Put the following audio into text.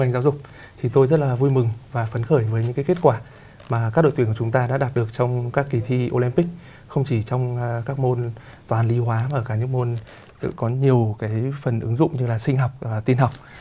trong ngành giáo dục thì tôi rất là vui mừng và phấn khởi với những kết quả mà các đội tuyển của chúng ta đã đạt được trong các kỳ thi olympic không chỉ trong các môn toàn lý hóa mà cả những môn có nhiều phần ứng dụng như là sinh học tiên học